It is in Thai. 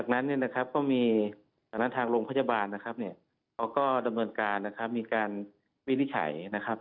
หลังนั้นผลโดยแพทย์ทางโรงพยาบาลที่ก็ดำเนินการวินิจฉัย